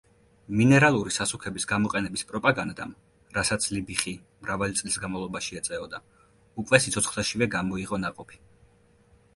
მინერალური სასუქების გამოყენების პროპაგანდამ, რასაც ლიბიხი მრავალი წლის განმავლობაში ეწეოდა, უკვე სიცოცხლეშივე გამოიღო ნაყოფი.